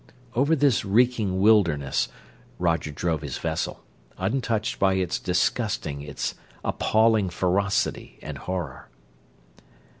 Over this reeking wilderness Roger drove his vessel, untouched by its disgusting, its appalling ferocity and horror.